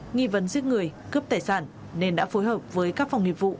nghi vấn giết người cướp tài sản nên đã phối hợp với các phòng nghiệp vụ